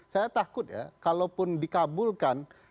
saya takut ya kalaupun dikabulkan